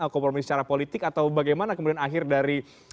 kompromi secara politik atau bagaimana kemudian akhir dari